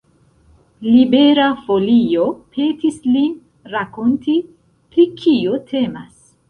Libera Folio petis lin rakonti, pri kio temas.